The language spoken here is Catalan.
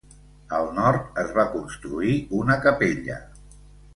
Al nord es va construir una capella.